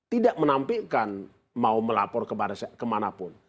tidak menampilkan mau melapor kemana pun